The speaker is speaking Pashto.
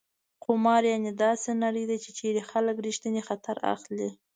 قمار: داسې نړۍ ده چېرې خلک ریښتینی خطر اخلي.